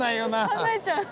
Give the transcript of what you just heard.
考えちゃう。